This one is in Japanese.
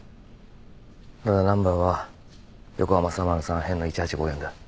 ただナンバーは横浜３０３への１８５４だ。